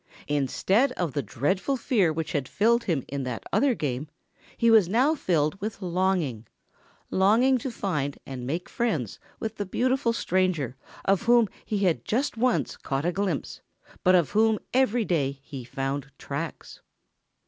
Instead of the dreadful fear which had filled him in that other game, he was now filled with longing, longing to find and make friends with the beautiful stranger of whom he had just once caught a glimpse, but of whom every day he found tracks.